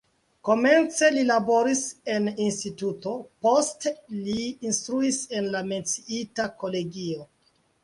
Komence li laboris en instituto, poste li instruis en la menciita kolegio.